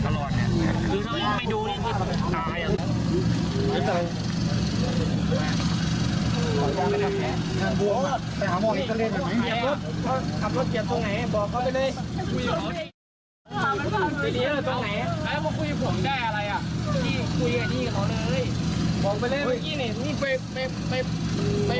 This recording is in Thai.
ขับรถเกลียดตรงไหนบอกเขาไปเลย